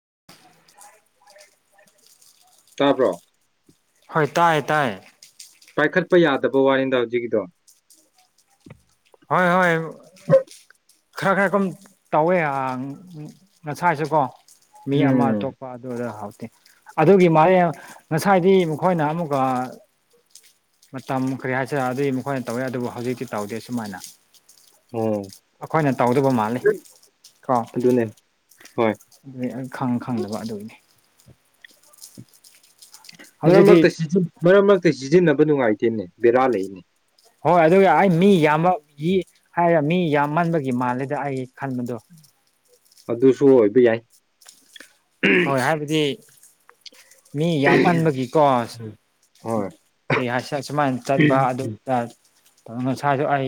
[inaudible] ꯇꯥꯕ꯭ꯔꯣ ꯍꯣꯏ ꯇꯥꯏꯌꯦ ꯇꯥꯏꯌꯦ ꯄꯥꯏꯈꯠꯄ ꯌꯥꯗꯕ ꯋꯥꯅꯤꯗꯥ ꯍꯧꯖꯤꯛꯀꯤꯗꯣ ꯍꯣꯏ ꯍꯣꯏ ꯈꯔ ꯈꯔ ꯁꯨꯝ ꯇꯧꯋꯦ ꯑ ꯉꯁꯥꯏꯁꯨ ꯀꯣ ꯃꯤ ꯑꯃꯥ ꯎꯝ ꯑꯇꯣꯞꯄꯥ ꯑꯗꯨꯗ ꯍꯧ ꯑꯗꯨꯒꯤ ꯃꯥꯂꯦ ꯉꯥꯁꯥꯏꯗꯤ ꯃꯈꯣꯏꯅ ꯑꯃꯨꯛꯀ ꯃꯇꯝ ꯀꯔꯤ ꯍꯥꯏꯁꯤꯔꯥ ꯑꯗꯨꯏ ꯃꯈꯣꯏꯅ ꯇꯧꯋꯦ ꯑꯗꯨꯕꯨ ꯍꯧꯖꯤꯛꯇꯤ ꯇꯧꯗꯦ ꯑꯁꯨꯃꯥꯏꯅ ꯑꯣ ꯑꯩꯈꯣꯏꯅ ꯇꯧꯗꯕ ꯃꯥꯜꯂꯤ ꯀꯣ ꯑꯗꯨꯅꯦ ꯍꯣꯏ ꯑꯗꯨ ꯈꯪ ꯈꯪꯗꯕ ꯑꯗꯨꯒꯤꯅꯦ ꯃꯔꯛ ꯍꯧꯖꯤꯛꯇꯤ ꯃꯔꯛꯇ ꯁꯤꯖꯤꯟ ꯃꯔꯛ ꯃꯔꯛꯇ ꯁꯤꯖꯤꯟꯅꯕ ꯅꯨꯡꯉꯥꯏꯇꯦꯅꯦ ꯕꯦꯔꯥ ꯂꯩꯅꯦ ꯍꯣꯏ ꯑꯗꯨꯒ ꯑꯩꯅꯥ ꯃꯤ ꯌꯥꯝꯃꯟꯒꯤ ꯍꯥꯏꯔꯦ ꯃꯤ ꯌꯥꯝꯃꯟꯕꯒꯤ ꯃꯥꯜꯂꯦꯗ ꯑꯩꯅꯥ ꯈꯟꯕꯗꯣ ꯑꯗꯨꯁꯨ ꯑꯣꯏꯕ ꯌꯥꯏ ꯍꯣꯏ ꯍꯥꯏꯕꯗꯤ ꯃꯤ ꯌꯥꯝꯃꯟꯕꯒꯤꯀꯣ ꯍꯣꯏ ꯀꯔꯤ ꯍꯥꯏꯁꯤꯔꯥ ꯁꯨꯃꯥꯏ ꯆꯠꯄꯥ ꯑꯗꯨꯗꯥ ꯉꯁꯥꯏꯁꯨ ꯑꯩ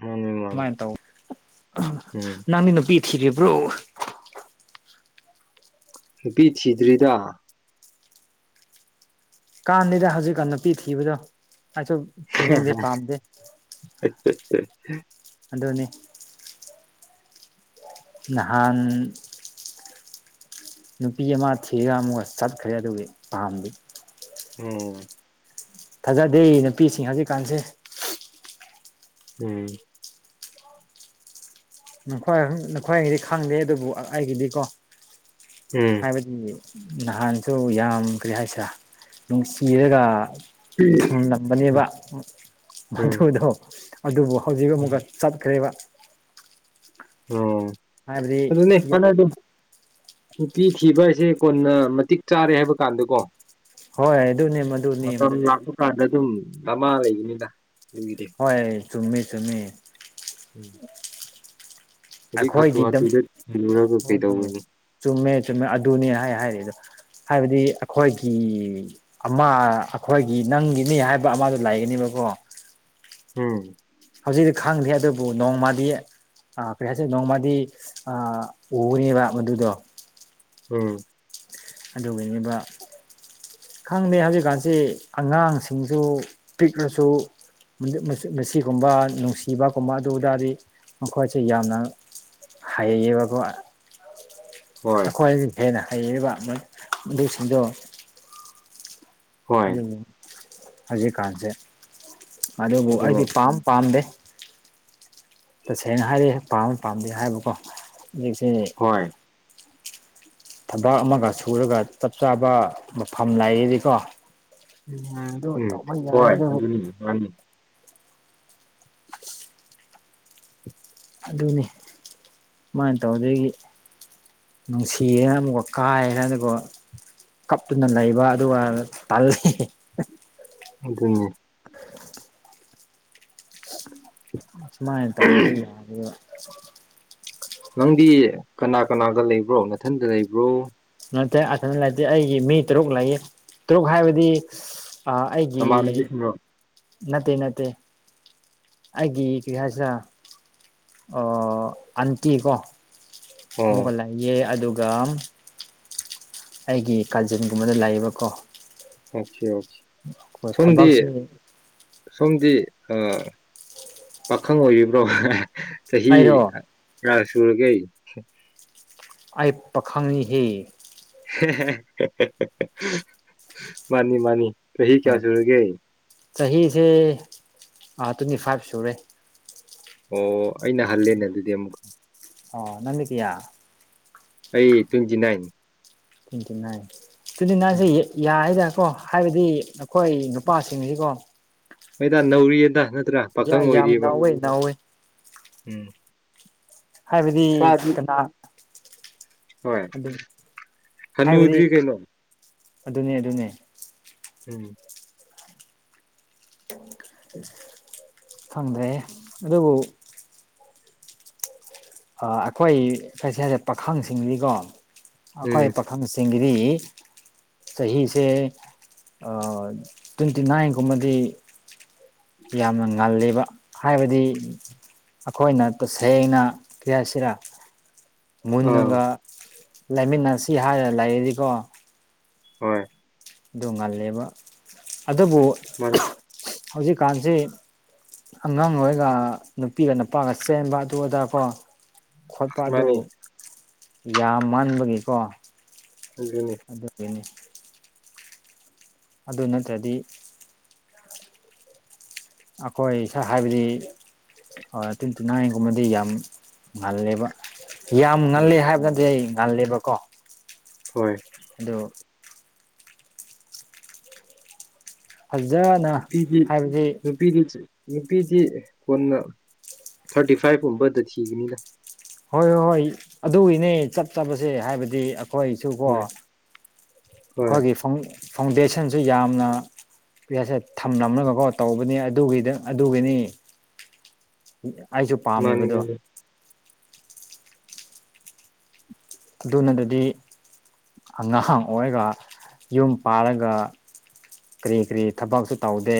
ꯃꯥꯅꯤ ꯃꯥꯅꯤ ꯁꯨꯃꯥꯏꯅ ꯇꯧ ꯎꯝ ꯅꯪꯗꯤ ꯅꯨꯄꯤ ꯊꯤꯔꯤꯕ꯭ꯔꯣ ꯅꯨꯄꯤ ꯊꯤꯗ꯭ꯔꯤꯗꯥ ꯀꯥꯟꯗꯦꯗꯥ ꯍꯧꯖꯤꯛꯀꯥꯟ ꯅꯨꯄꯤ ꯊꯤꯕꯗꯣ ꯑꯩꯁꯨ ꯊꯤꯅꯤꯡꯗꯦ ꯄꯝꯗꯦ ꯑꯗꯨꯅꯤ ꯅꯍꯥꯟ ꯅꯨꯄꯤ ꯑꯃꯥ ꯊꯤꯔꯥ ꯑꯃꯨꯛꯀ ꯆꯠꯈ꯭ꯔꯦ ꯑꯗꯨꯒꯤ ꯄꯥꯝꯗꯦ ꯎꯝ [inaudible] ꯊꯥꯖꯗꯦ ꯅꯨꯄꯤꯁꯤꯡ ꯍꯧꯖꯤꯛꯀꯥꯟꯁꯦ ꯎꯝ ꯅꯈꯣꯏ ꯅꯈꯣꯏꯒꯤꯗꯤ ꯈꯪꯗꯦ ꯑꯗꯨꯕꯨ ꯑꯩꯒꯤꯗꯤꯀꯣ ꯎꯝ ꯍꯥꯏꯕꯗꯤ ꯅꯍꯥꯟꯁꯨ ꯌꯥꯝ ꯀꯔꯤ ꯍꯥꯏꯁꯤꯔꯥ ꯅꯨꯡꯁꯤꯔꯒꯥ ꯊꯝꯂꯝꯕꯅꯦꯕꯥ ꯎꯝ ꯃꯗꯨꯗꯣ ꯑꯗꯨꯕꯨ ꯍꯧꯖꯤꯛ ꯑꯃꯨꯛꯀ ꯆꯠꯈ꯭ꯔꯦꯕꯥ ꯎꯝ [unintelligible] ꯍꯥꯏꯕꯗꯤ ꯌꯥ ꯅꯨꯄꯤ ꯊꯤꯕ ꯍꯥꯏꯁꯦ ꯀꯣꯟꯅ ꯃꯇꯤꯛ ꯆꯥꯔꯦ ꯍꯥꯏꯕ ꯀꯥꯟꯗꯀꯣ ꯍꯣꯏ ꯑꯗꯨꯅꯦ ꯃꯗꯨꯅꯦ ꯃꯇꯝ ꯃꯗꯨꯅꯦ ꯂꯥꯛꯄ ꯀꯥꯟꯗ ꯑꯗꯨꯝ ꯗꯃꯥ ꯂꯩꯅꯤꯗꯥ ꯍꯣꯏ ꯆꯃꯤ ꯆꯃꯤ ꯎꯝ ꯍꯧꯖꯤꯛ ꯍꯥꯊꯨ ꯑꯩꯈꯣꯏꯗꯤ ꯑꯗꯨꯝ ꯍꯥꯊꯨꯗ ꯊꯤꯔꯨꯔꯒ ꯍꯣꯏ ꯍꯣꯏ ꯀꯩꯗꯧꯔꯨꯅꯤ ꯆꯨꯝꯃꯦ ꯆꯨꯝꯃꯦ ꯑꯗꯨꯅꯦ ꯍꯥꯏ ꯍꯥꯏꯔꯦꯗꯣ ꯍꯥꯏꯕꯗꯤ ꯑꯩꯈꯣꯏꯒꯤ ꯑꯃ ꯑꯩꯈꯣꯏꯒꯤ ꯅꯪꯒꯤꯅꯤ ꯍꯥꯏꯕ ꯑꯃꯗꯨ ꯂꯥꯏꯅꯤ ꯅꯤꯕꯀꯣ ꯎꯝ ꯍꯧꯖꯤꯛꯇꯤ ꯈꯪꯗ꯭ꯦ ꯑꯗꯨꯕꯨ ꯅꯣꯡꯃꯗꯤ ꯄꯩꯁꯁꯦ ꯅꯣꯡꯃꯗꯤ ꯎꯅꯦꯕ ꯃꯗꯨꯗꯣ ꯎꯝ ꯑꯗꯨꯒ ꯑꯣꯏꯕ ꯈꯪꯗꯦ ꯍꯧꯖꯤꯛꯀꯥꯟꯁꯤ ꯑꯉꯥꯡꯁꯤꯡꯁꯨ ꯄꯤꯛꯂꯁꯨ ꯃꯁꯤꯒꯨꯝꯕ ꯅꯨꯡꯁꯤꯕꯒꯨꯝꯕ ꯑꯗꯨꯇꯥꯔꯗꯤ ꯃꯈꯣꯏꯁꯦ ꯌꯥꯝꯅ ꯍꯩꯕꯥꯕ ꯍꯣꯏ ꯑꯩꯈꯣꯏꯒꯤ ꯍꯦꯟꯅ ꯍꯩꯔꯤꯕ ꯑꯗꯨꯁꯤꯡꯗꯨꯣ ꯍꯣꯏ ꯑꯗꯨꯕꯨ ꯍꯧꯖꯤꯛꯀꯥꯟꯁꯦ ꯑꯗꯨꯕꯨ ꯑꯗꯨꯅꯦ ꯑꯩꯗꯤ ꯄꯥꯝ ꯄꯥꯝꯗꯦ ꯇꯁꯦꯡꯅ ꯍꯥꯏꯔ ꯄꯥꯝꯝꯕ ꯄꯥꯝꯗꯦ ꯍꯥꯏꯕꯀꯣ ꯍꯧꯖꯤꯛꯁꯤ ꯍꯣꯏ ꯊꯕꯛ ꯑꯃꯒ ꯁꯨꯔꯒ ꯆꯞ ꯆꯥꯕ ꯃꯐꯝ ꯂꯩꯔꯤꯗꯤꯀꯣ ꯎ ꯎꯝ ꯍꯣꯏ ꯑꯗꯨꯅꯤ ꯃꯥꯅꯤ ꯑꯗꯨꯅꯤ ꯁꯨꯃꯥꯏꯅ ꯇꯧꯗꯒꯤ ꯅꯨꯡꯁꯤꯌꯦꯦꯅ ꯑꯃ ꯀꯥꯏ ꯍꯥꯏꯅꯕꯨ ꯀꯞꯇꯨꯅ ꯂꯩꯕ ꯑꯗꯨꯒ ꯇꯜꯂꯤ ꯑꯗꯨꯅꯦ ꯎꯝ ꯁꯨꯃꯥꯏꯅ ꯇꯧꯗꯦꯗꯤ ꯌꯥ ꯅꯪꯗꯤ ꯀꯅꯥ ꯀꯅꯥꯗ ꯂꯩꯕ꯭ꯔꯣ ꯃꯊꯟꯗ ꯂꯩꯕ꯭ꯔꯣ ꯅꯠꯇ꯭ꯔꯦ ꯑꯗ ꯂꯩꯇꯦ ꯑꯩꯒꯤ ꯃꯤ ꯇꯔꯨꯛ ꯂꯩꯌꯦ ꯇꯔꯨꯛ ꯍꯥꯏꯕꯗꯤ ꯑꯩꯒꯤ ꯅꯃꯥꯟꯅꯕꯤꯁꯤꯡꯔꯣ ꯅꯠꯇꯦ ꯅꯠꯇꯦ ꯑꯩꯒꯤ ꯀꯔꯤ ꯍꯥꯏꯁꯤꯦ ꯑꯣ ꯑꯟꯇꯤ ꯀꯣ ꯑꯣ ꯃꯨꯒꯠꯂꯛꯏꯑꯦ ꯑꯗꯨꯒ ꯑꯩꯒꯤ ꯀꯥꯖꯤꯟꯒꯨꯝꯕꯗ ꯂꯩꯌꯦꯕꯀꯣ ꯑꯣꯀꯦ ꯑꯣꯀꯦ ꯍꯣꯏ ꯁꯣꯝꯗꯤ ꯊꯕꯛꯁꯤ ꯁꯣꯝꯗꯤ ꯄꯥꯈꯪ ꯑꯣꯏꯔꯤꯕ꯭ꯔꯣ ꯆꯍꯤꯍꯤ ꯑꯩꯔꯣ ꯔꯥꯁ ꯆꯨꯔꯒ ꯑꯩ ꯄꯥꯈꯪꯉꯍ ꯃꯥꯅꯤ ꯃꯥꯅꯤ ꯆꯍꯤ ꯀꯌꯥ ꯍꯣꯏ ꯁꯨꯔꯒꯦ ꯆꯍꯤꯁꯦ ꯇ꯭ꯋꯦꯟꯇꯤ ꯐꯥꯏꯚ ꯁꯨꯔꯦ ꯑꯣ ꯑꯩꯅ ꯍꯜꯂꯦꯅꯦ ꯑꯗꯨꯗꯤ ꯑꯃꯨꯛꯀ ꯑꯣ ꯅꯟꯀꯌꯥ ꯑꯩ ꯇ꯭ꯋꯦꯟꯇꯤ ꯅꯥꯏꯟ ꯀ ꯇꯗꯤ ꯅꯁ ꯎꯝ ꯌꯥ ꯍꯥꯏꯗ ꯀꯣ ꯍꯥꯏꯕꯗꯤ ꯑꯩꯈꯣꯏ ꯅꯨꯄꯥꯁꯤꯡꯁꯤꯀꯣ ꯍꯣꯏꯗ ꯅꯧꯔꯤꯌꯦꯗ ꯅꯠꯇ꯭ꯔꯥ ꯄꯥꯈꯪ ꯌꯥꯝ ꯑꯣꯏꯔꯤꯑꯕ ꯅꯧꯋꯦ ꯅꯧꯋꯦ ꯎꯝ ꯍꯥꯏꯕꯗꯤ ꯈꯔꯗꯤ ꯀꯅꯥ ꯍꯣꯏ ꯑꯗꯨ ꯍꯥꯏꯕꯗꯤ ꯍꯅꯨꯗ꯭ꯔꯤ ꯀꯩꯅꯣ ꯑꯗꯨꯅꯦ ꯑꯗꯨꯅꯦ ꯎꯝ ꯎꯝ ꯐꯪꯗ꯭ꯔꯦ ꯑꯗꯨꯕꯨ ꯑꯩꯈꯣꯏ ꯀꯩꯁꯤ ꯍꯥꯏꯔꯦ ꯄꯥꯈꯪꯁꯤꯡꯗꯤꯀꯣ ꯎꯝ ꯑꯩꯈꯣꯏ ꯄꯥꯈꯪꯁꯤꯡꯒꯤ ꯑꯩ ꯆꯍꯤꯁꯦ ꯇ꯭ꯋꯦꯟꯇꯤ ꯅꯥꯏꯟꯒꯨꯝꯕꯗꯤ ꯌꯥꯝꯅ ꯉꯜꯂꯤꯕ ꯍꯥꯏꯕꯗꯤ ꯑꯩꯈꯣꯏꯅ ꯇꯁꯦꯡꯅ ꯀꯌꯥꯁꯤꯔ ꯑꯥ ꯃꯟꯅꯒ ꯂꯩꯃꯤꯟꯅꯁꯤ ꯍꯥꯏꯔ ꯂꯩꯔꯔꯤꯀꯣ ꯍꯣꯏ ꯑꯗꯨ ꯉꯜꯂꯦꯕ ꯑꯗꯨꯕꯨ ꯃꯥꯅꯤ ꯍꯧꯖꯤꯛꯀꯥꯟꯁꯤ ꯑꯉꯥꯡꯍꯣꯏꯒ ꯅꯨꯄꯤꯒ ꯅꯨꯄꯥꯒ ꯆꯦꯟꯕ ꯑꯗꯨ ꯑꯗꯥꯀꯣ ꯈꯣꯠꯄ ꯑꯗꯨ ꯃꯥꯅꯤ ꯌꯥꯝ ꯃꯥꯟꯕꯒꯤꯀꯣ ꯑꯗꯨꯅꯤ ꯑꯗꯨꯗꯅꯤ ꯑꯗꯨ ꯅꯠꯇ꯭ꯔꯗꯤ ꯑꯩꯈꯣꯏ ꯏꯁꯥ ꯍꯥꯏꯕꯗꯤ ꯍꯣꯏ ꯇꯤꯟ ꯇꯤꯅꯥꯒꯨꯝꯕꯗꯤ ꯌꯥꯝ ꯉꯜꯂꯦꯕ ꯌꯥꯝ ꯉꯜꯂꯦ ꯎꯝ ꯍꯥꯏꯕꯅꯗꯤ ꯑꯩ ꯉꯜꯂꯦꯕꯀꯣ ꯍꯣꯏ ꯑꯗꯨ ꯐꯖꯅ ꯄꯤꯗꯤ ꯍꯥꯏꯕꯗꯤ ꯄꯤꯗꯤꯁꯦ ꯅꯨꯄꯤꯗꯤ ꯀꯣꯟꯅ ꯊꯥꯔꯇꯤ ꯐꯥꯏꯚꯀꯨꯝꯕꯗ ꯊꯤꯒꯅꯤꯅ ꯍꯣꯏ ꯍꯣꯏ ꯍꯣꯏ ꯑꯗꯨꯒꯤꯅꯦ ꯆꯠꯇꯕꯁꯦ ꯍꯥꯏꯕꯗꯤ ꯑꯩꯈꯣꯏꯁꯨꯀꯣ ꯍꯣꯏ ꯍꯣꯏ ꯑꯩꯈꯣꯏꯒꯤ ꯐꯥꯎꯟꯗꯦꯁꯟꯁꯨ ꯌꯥꯝꯅ ꯄꯁꯦ ꯊꯝꯂꯝꯅꯒꯀꯣ ꯇꯧꯕꯅꯤ ꯑꯗꯨꯒꯤꯗꯪ ꯑꯗꯨꯒꯤꯅꯤ ꯑꯩꯁꯨ ꯃꯥꯅꯤ ꯄꯥꯝꯃꯤꯕꯗꯣ ꯃꯥꯅꯤ ꯑꯗꯨꯅ ꯑꯗꯨꯗꯤ ꯑꯉꯥꯡ ꯑꯣꯏꯔꯒ ꯌꯨꯝ ꯄꯥꯔꯒ ꯀꯔꯤ ꯀꯔꯤ ꯊꯕꯛꯁꯨ ꯇꯧꯗꯦ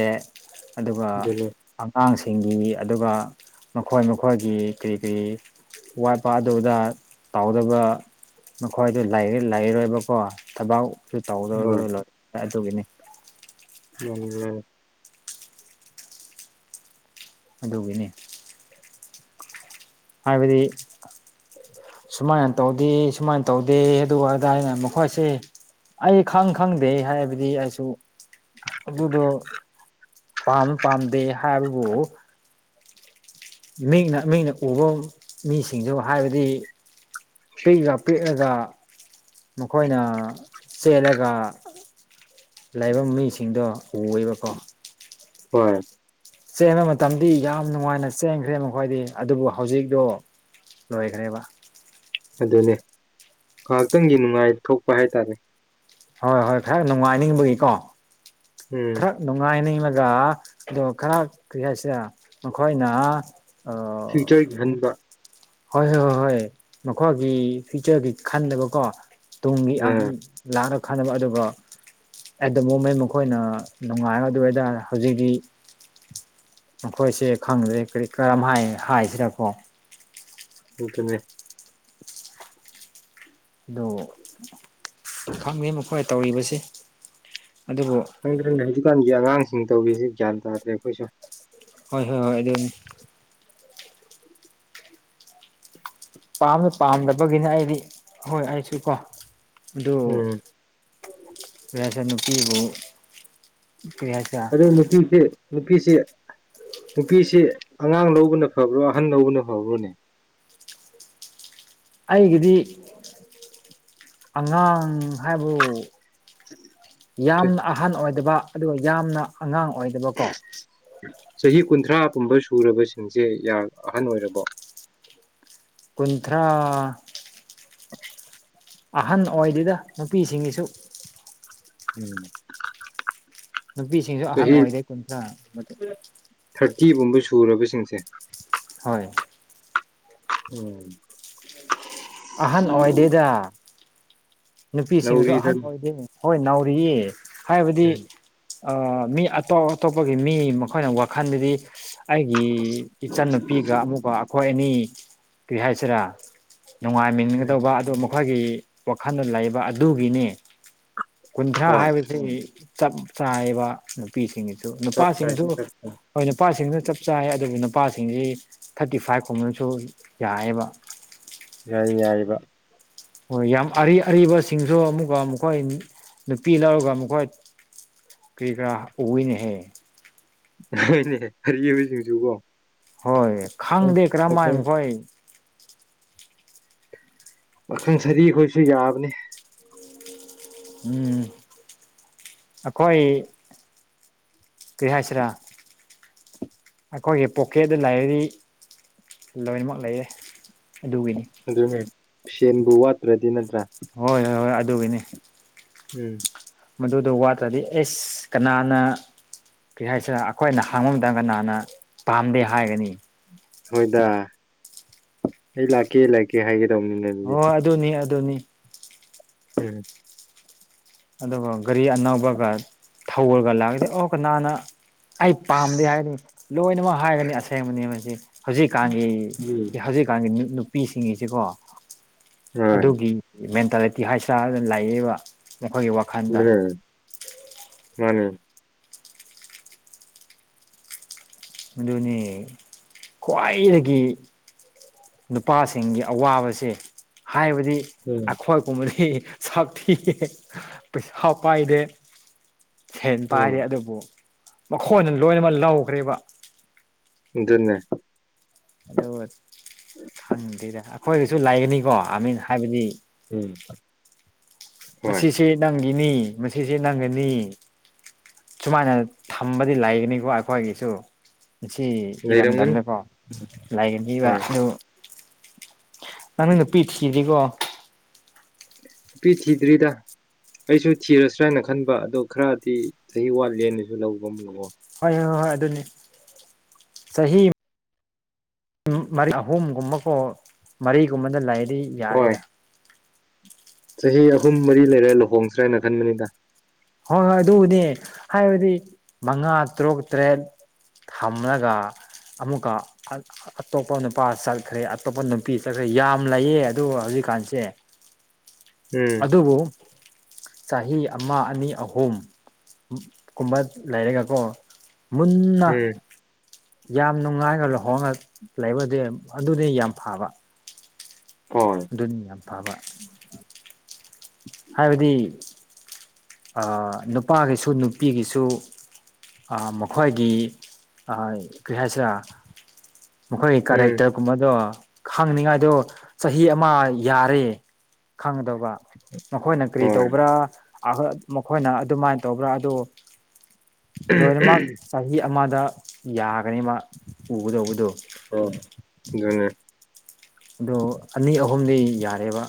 ꯑꯗꯨꯒ ꯑꯗꯨꯅꯤ ꯑꯉꯥꯡꯁꯤꯡꯒꯤ ꯑꯗꯨꯒ ꯃꯈꯣꯏ ꯃꯈꯣꯏꯒꯤ ꯀꯔꯤ ꯀꯔꯤ ꯋꯥꯠꯄ ꯑꯗꯨꯗ ꯇꯥꯎꯗꯕ ꯃꯈꯣꯏꯗ ꯂꯩꯔꯣꯏꯕꯀꯣ ꯊꯕꯛꯁꯨ ꯇꯧꯗꯗ ꯍꯣꯏ ꯑꯗꯨꯒꯤꯅꯤ ꯎꯝ ꯑꯗꯨꯒꯤꯅꯦ ꯍꯥꯏꯕꯗꯤ ꯁꯨꯃꯥꯏꯅ ꯇꯧꯗꯦ ꯁꯨꯃꯥꯏꯅ ꯇꯧꯗꯦ ꯑꯗꯨ ꯑꯣꯏꯗꯥ ꯑꯩꯅ ꯃꯈꯣꯏꯁꯦ ꯑꯩ ꯈꯪ ꯈꯪꯗꯦ ꯍꯥꯏꯕꯗꯤ ꯑꯩꯁꯨ ꯑꯗꯨꯗꯣ ꯄꯥꯝ ꯄꯥꯝꯗꯦ ꯍꯥꯏꯕꯕꯨ ꯃꯤꯅ ꯃꯤꯅ ꯎꯕ ꯃꯤꯁꯤꯡꯗꯨ ꯍꯥꯏꯕꯗꯤ ꯄꯦꯒꯥ ꯄꯦꯒ ꯃꯈꯣꯏꯅ ꯆꯦꯜꯂꯒ ꯂꯥꯏꯕ ꯃꯤꯁꯤꯡꯗꯣ ꯎꯋꯦꯕꯀꯣ ꯍꯣꯏ ꯆꯦꯟꯕ ꯃꯇꯝꯗꯤ ꯌꯥꯝ ꯅꯨꯡꯉꯥꯏꯅ ꯆꯦꯟꯈ꯭ꯔꯦ ꯃꯈꯣꯏꯗꯤ ꯑꯗꯨꯕꯨ ꯍꯧꯖꯤꯛꯇꯛꯇꯣ ꯂꯣꯏꯈꯅꯦꯕ ꯑꯗꯨꯅꯦ ꯉꯥꯏꯍꯥꯛꯇꯪꯒꯤ ꯅꯨꯡꯉꯥꯏ ꯊꯣꯛꯄ ꯍꯥꯏꯇꯥꯔꯦ ꯍꯣꯏ ꯍꯣꯏ ꯈꯔ ꯅꯨꯡꯉꯥꯏꯅꯤꯡꯕꯒꯤꯀꯣ ꯎꯝ ꯈꯔ ꯅꯨꯡꯉꯥꯏꯅꯤꯡꯉꯒ ꯑꯣ ꯈꯔ ꯀꯔꯤ ꯍꯥꯏꯁꯦ ꯃꯈꯣꯏꯅ ꯑ ꯐ꯭ꯌꯨꯆꯔꯒꯤ ꯑꯗꯨꯝ ꯈꯟꯕ ꯍꯣꯏ ꯍꯣꯏ ꯍꯣꯏ ꯍꯣꯏ ꯃꯈꯣꯏꯒꯤ ꯐꯤꯌꯨꯆꯔꯒꯤ ꯈꯟꯗꯕꯀꯣ ꯇꯨꯡꯒꯤ ꯑ ꯂꯥꯛꯅ ꯈꯟꯅꯕ ꯑꯗꯨꯒ ꯑꯦꯠ ꯗ ꯃꯣꯃꯦꯟ ꯃꯈꯣꯏꯅ ꯅꯨꯡꯉꯥꯏ ꯑꯗꯨ ꯑꯣꯏꯇꯥꯔ ꯍꯧꯖꯤꯛꯛꯇꯤ ꯃꯈꯣꯏꯁꯦ ꯈꯪꯗ꯭ꯔꯦ ꯀꯔꯝ ꯍꯥꯏꯁꯤꯔꯀꯣ ꯍꯇꯅꯦ ꯑꯗꯨ ꯈꯪꯒꯦ ꯃꯈꯣꯏ ꯇꯧꯔꯤꯕꯁꯦ ꯈꯪꯗ꯭ꯔꯦꯅꯦ ꯍꯧꯖꯤꯛꯀꯥꯟꯒꯤ ꯑꯉꯥꯡꯁꯤꯡ ꯇꯧꯕꯤꯁꯤ ꯒ꯭ꯌꯥꯟ ꯇꯥꯗ꯭ꯔꯦ ꯑꯩꯈꯣꯏꯁꯨ ꯍꯣꯏ ꯍꯣꯏ ꯍꯣꯏ ꯑꯗꯨꯣꯏꯅꯤ ꯄꯥꯝꯃꯦ ꯄꯥꯝꯗꯕꯒꯤꯅ ꯑꯩꯗꯤ ꯍꯣꯏ ꯑꯩꯁꯨ ꯀꯣ ꯑꯗꯨ ꯎꯝ ꯔꯁ ꯅꯨꯨꯄꯤꯕꯨ ꯑꯔ ꯃꯨꯁꯤꯤꯁ ꯅꯨꯄꯤꯁꯤ ꯅꯨꯄꯤꯁꯤ ꯑꯉꯥꯡ ꯂꯧꯕꯅ ꯐꯕ꯭ꯔꯣ ꯑꯍꯟ ꯂꯧꯕꯅ ꯐꯕ꯭ꯔꯣꯅꯦ ꯑꯩꯒꯤꯗꯤ ꯑꯉꯥꯡ ꯍꯥꯏꯕ ꯌꯥꯝꯅ ꯑꯍꯟ ꯑꯣꯏꯗꯕ ꯑꯗꯨꯒ ꯌꯥꯝꯅ ꯑꯉꯥꯡ ꯑꯣꯏꯗꯕꯀꯣ ꯆꯍꯤ ꯀꯨꯟꯊ꯭ꯔꯥ ꯄꯨꯝꯕ ꯁꯨꯔꯕꯁꯤꯡꯁꯦ ꯑꯍꯟ ꯑꯣꯏꯔꯕꯣ ꯀꯨꯟꯊ꯭ꯔꯥ [unintelligible] ꯑꯍꯟ ꯑꯣꯏꯗꯨꯗ ꯅꯨꯄꯤꯁꯤꯡꯒꯤꯁꯨ ꯎꯃꯦ ꯅꯨꯄꯤꯁꯤꯡꯁꯨ ꯑꯍꯟ ꯑꯣꯏꯔꯦ ꯀꯨꯟꯊ꯭ꯔꯥ ꯑꯀꯤꯒꯨꯝꯕ ꯁꯨꯔꯕꯁꯤꯡꯁꯦ ꯍꯣꯏ ꯎꯝ ꯑꯍꯟ ꯑꯣꯏꯗꯦꯗ ꯅꯨꯄꯤꯁꯤꯡꯅꯁꯨ ꯅꯥꯎꯔꯤꯗ ꯑꯍꯟ ꯑꯣꯏꯗꯦ ꯍꯣꯏ ꯅꯥꯎꯔꯤꯌꯦ ꯍꯥꯏꯕꯗꯤ ꯎꯝ ꯃꯤ ꯑꯇꯣꯞ ꯑꯇꯣꯞꯄꯒꯤ ꯃꯤ ꯃꯈꯣꯏꯅ ꯋꯥꯈꯜꯗꯨꯗꯤ ꯑꯩꯒꯤ ꯏꯆꯟꯅꯨꯄꯤꯒ ꯑꯃꯨꯛꯀ ꯑꯩꯈꯣꯏ ꯑꯅꯤ ꯀꯔꯤ ꯍꯥꯏꯁꯤꯔꯥ ꯎꯝ ꯅꯨꯡꯉꯥꯏꯃꯤꯟꯒꯗꯧꯕ ꯑꯗꯨ ꯃꯈꯣꯏꯒꯤ ꯋꯥꯈꯜꯗ ꯂꯩꯕ ꯑꯗꯨꯒꯤꯅꯤ ꯀꯨꯟꯊ꯭ꯔꯥ ꯍꯣꯏ ꯍꯥꯏꯕꯁꯤ ꯆꯞ ꯆꯥꯏꯕ ꯅꯨꯄꯤꯁꯤꯡꯒꯤ ꯆꯞ ꯆꯥꯏ ꯅꯨꯄꯥꯁꯤꯡꯁꯨ ꯆꯞ ꯆꯥꯏ ꯍꯣꯏ ꯅꯨꯄꯥꯁꯤꯡꯁꯨ ꯆꯞ ꯆꯥꯏ ꯑꯗꯨꯕꯨ ꯅꯨꯄꯥꯁꯤꯡꯁꯤ ꯊꯥꯔꯇꯤ ꯐꯥꯏꯚ ꯀꯨꯝꯕꯅꯁꯨ ꯌꯥꯌꯦꯕ ꯀꯔꯤꯉꯏꯕ ꯍꯣꯏ ꯌꯥꯝ ꯑꯔꯤ ꯑꯔꯤꯕꯁꯤꯡꯁꯨ ꯑꯃꯨꯛꯀ ꯃꯈꯣꯏ ꯅꯨꯄꯤ ꯂꯧꯔꯒ ꯃꯈꯣꯏ ꯀꯔꯤꯔꯥ ꯑꯣꯚꯤꯟ ꯍ ꯅꯣꯏꯅꯦ ꯍꯔꯤꯁꯤꯡꯁꯨꯀꯣ ꯍꯣꯏ ꯈꯪꯗꯦ ꯀꯔꯝꯃꯥꯏꯈꯣꯏ ꯄꯥꯈꯪ ꯁꯗꯤ ꯑꯩꯈꯣꯏꯁꯨ ꯌꯥꯕꯅꯤ ꯎꯝ ꯑꯩꯈꯣꯏ ꯄꯔꯤꯍꯥꯏꯁꯤꯔ ꯑꯩꯈꯣꯏꯒꯤ ꯄꯣꯛꯀꯦꯠꯇ ꯂꯥꯏꯔꯤꯦꯔꯤ ꯂꯣꯏꯅꯃꯛ ꯂꯩꯔꯦ ꯑꯗꯨꯒꯤꯅꯤ ꯁꯦꯕꯨ ꯋꯥꯇ꯭ꯔꯗꯤꯤꯟꯗ꯭ꯔꯥ ꯍꯣꯏ ꯍꯣꯏ ꯍꯣꯏ ꯑꯗꯨꯒꯤꯅꯦ ꯎꯝ ꯃꯗꯨꯗꯣ ꯋꯥꯠꯇ꯭ꯔꯗꯤ ꯑꯦꯁ ꯀꯅꯥꯅ ꯀꯩ ꯍꯥꯏꯁꯤꯅ ꯑꯩꯈꯣꯏꯅ ꯍꯥꯡꯕ ꯃꯇꯝꯗ ꯅꯥꯟꯅ ꯄꯥꯝꯗꯦ ꯍꯥꯏꯒꯅꯤ ꯍꯣꯏꯗ ꯑꯩ ꯂꯥꯛꯀꯦ ꯂꯥꯛꯀꯦ ꯍꯥꯏꯒꯦ ꯗꯧꯕꯅꯤꯅ ꯑꯗꯨꯗꯤ ꯑꯗꯣꯅꯤ ꯎꯝ ꯑꯗꯨꯒ ꯒꯥꯔꯤ ꯑꯅꯧꯕꯒ ꯊꯧꯔꯒ ꯂꯥꯛꯑꯒꯗꯤ ꯑꯣ ꯀꯅꯥꯅ ꯑꯩ ꯄꯥꯝꯗꯦ ꯍꯥꯏꯒꯅꯤ ꯂꯣꯏꯅꯃꯛ ꯍꯥꯏꯒꯅꯤ ꯑꯁꯦꯡꯕꯅꯦ ꯃꯁꯤ ꯍꯧꯖꯤꯛꯀꯥꯟꯒꯤ ꯍꯧꯖꯤꯛꯀꯥꯟꯒꯤ ꯅꯨꯄꯤꯁꯤꯡꯒꯤꯁꯤꯀꯣ ꯍꯣꯏ ꯑꯗꯨꯒꯤ ꯃꯦꯟꯇꯥꯂꯤꯇꯤ ꯍꯥꯏꯁꯅ ꯂꯥꯛꯑꯕ ꯃꯈꯣꯏꯒꯤ ꯋꯥꯈꯜꯗ ꯑꯗꯨꯅꯦ ꯃꯥꯅꯦ ꯑꯗꯨꯅꯤ ꯈ꯭ꯋꯥꯏꯗꯒꯤ ꯅꯨꯄꯥꯁꯤꯡꯒꯤ ꯑꯋꯥꯕꯁꯦ ꯍꯥꯏꯕꯗꯤ ꯎꯝ ꯑꯩꯈꯣꯏ ꯄꯨꯝꯕꯗꯤ ꯁꯛ ꯊꯤ ꯄꯩꯁꯥ ꯄꯥꯏꯗꯦ ꯁꯦꯟ ꯎꯝ ꯄꯥꯏꯔ ꯑꯗꯨꯕꯨ ꯃꯈꯣꯏꯅ ꯂꯣꯏꯅꯃꯛ ꯂꯧꯈ꯭ꯔꯦꯕ ꯑꯗꯨꯟꯅꯦ ꯑꯗꯨꯒ ꯈꯪꯗꯦꯗ ꯑꯩꯈꯣꯏꯗꯁꯨ ꯂꯩꯒꯅꯤꯀꯣ ꯑꯥꯔꯃꯤꯟ ꯍꯥꯏꯕꯗꯤ ꯎꯝ ꯍꯣꯏ ꯃꯁꯤꯁꯦ ꯅꯪꯒꯤꯅꯤ ꯃꯁꯤꯁꯦ ꯅꯪꯒꯅꯤ ꯁꯨꯃꯥꯏꯅ ꯊꯝꯕꯗꯤ ꯂꯩꯒꯅꯤꯀꯣ ꯑꯩꯈꯣꯏꯒꯤꯁꯨ ꯉ ꯂꯩꯔꯝꯒꯅꯤ ꯏꯔꯝꯗꯝꯗꯀꯣ ꯎꯝ ꯂꯥꯏꯒ ꯄꯕ ꯍꯣꯏ ꯑꯗꯨ ꯅꯪ ꯅꯨꯄꯤ ꯗꯤꯀꯣ ꯅꯨ ꯄꯤ ꯊꯤꯗ꯭ꯔꯤꯗ ꯑꯩꯁꯨ ꯊꯤꯔꯁ꯭ꯔꯥ ꯍꯥꯏꯅ ꯈꯟꯕ ꯑꯗꯣ ꯈꯔꯗꯤ ꯆꯍꯤ ꯋꯥꯠꯂꯦꯅꯁꯨ ꯂꯧꯕ ꯑꯃ ꯂꯛꯑꯣ ꯍꯣꯏ ꯍꯣꯏ ꯍꯣꯏ ꯍꯣꯏ ꯑꯗꯨꯅꯤ ꯆꯍꯤ ꯑꯍꯨꯝꯒꯨꯝꯕꯀꯣ ꯃꯔꯤꯒꯨꯝꯕꯗ ꯂꯩꯗꯤ ꯍꯣꯏ ꯌꯥꯔꯤꯗ ꯆꯍꯤ ꯑꯍꯨꯝ ꯃꯔꯤ ꯂꯩꯔꯦ ꯂꯨꯍꯣꯡꯁ꯭ꯔꯦ ꯍꯥꯏꯅ ꯈꯟꯕꯅꯤꯗ ꯍꯣꯏ ꯍꯣꯏ ꯑꯗꯨꯕꯨꯅꯦ ꯍꯥꯏꯕꯗꯤ ꯃꯉꯥ ꯇꯔꯨꯛ ꯇꯔꯦꯠ ꯊꯝꯂꯒ ꯑꯃꯨꯛꯀ ꯑꯇꯣꯞꯄ ꯅꯨꯄꯥ ꯆꯠꯈ꯭ꯔꯦ ꯑꯇꯣꯞꯄ ꯅꯨꯄꯤ ꯆꯠꯈ꯭ꯔꯦ ꯌꯥꯝ ꯂꯩꯌꯦ ꯑꯗꯨꯒ ꯍꯧꯖꯤꯛ ꯀꯥꯟꯁꯦ ꯎꯝ ꯑꯗꯨꯕꯨ ꯆꯍꯤ ꯑꯃ ꯑꯅꯤ ꯑꯍꯨꯝ ꯀꯨꯝꯕ ꯂꯩꯔꯒꯀꯣ ꯃꯨꯟꯅ ꯎꯝ ꯌꯥꯝ ꯅꯨꯡꯉꯥꯏꯅ ꯂꯨꯍꯣꯡꯉ ꯂꯩꯕꯗꯤ ꯑꯗꯨꯗꯤ ꯌꯥꯝ ꯐꯕ ꯍꯣꯏ ꯅꯤ ꯌꯥꯝꯝꯐꯥꯕ ꯍꯥꯏꯕꯗꯤ ꯅꯨꯄꯥꯒꯤꯁꯨ ꯅꯨꯄꯤꯒꯤꯁꯨ ꯃꯈꯣꯏꯒꯤ ꯀꯔꯤ ꯍꯥꯏꯁꯤꯔ ꯃꯈꯣꯏꯒꯤ ꯎꯝ ꯀꯦꯔꯦꯛꯇꯔꯒꯨꯝꯕꯗꯣ ꯈꯪꯅꯤꯡꯉꯥꯏꯗꯣ ꯆꯍꯤ ꯑꯃ ꯌꯥꯔꯦ ꯈꯪꯒꯗꯧꯕ ꯃꯈꯣꯏꯅ ꯀꯔꯤ ꯍꯣꯏ ꯇꯧꯕ꯭ꯔꯥ ꯃꯈꯣꯏꯅ ꯑꯗꯨꯃꯥꯏꯅ ꯇꯧꯕ꯭ꯔꯥ ꯑꯗꯨ ꯂꯣꯏꯅꯃꯛ ꯆꯍꯤ ꯑꯃꯗ ꯌꯥꯒꯅꯤ ꯃꯥ ꯎꯒꯗꯧꯕꯗꯣ ꯑ ꯑꯗꯨꯅꯦ ꯑꯗꯣ ꯑꯅꯤ ꯑꯍꯨꯝꯗꯤ ꯌꯥꯔꯦꯕ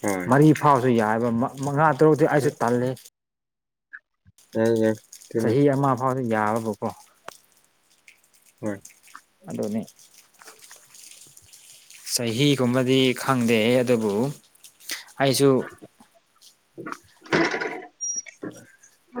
ꯍꯣꯏ ꯃꯔꯤ ꯐꯥꯎꯕꯁꯨ ꯌꯥꯏꯑꯕ ꯃꯉꯥ ꯇꯔꯨꯛꯇꯗꯤꯤ ꯑꯩꯁꯨ ꯇꯜꯂꯤ ꯍ ꯆꯍꯤ ꯑꯃ ꯐꯥꯎꯗ ꯌꯥꯕꯀꯣ ꯍꯣꯏ ꯑꯗꯨꯗꯅꯦꯅꯤ ꯆꯍꯤꯒꯨꯝꯕꯗꯤ ꯈꯪꯗꯦ ꯑꯗꯨꯕꯨ ꯑꯩꯁꯨ [unintelligible] [inaudible]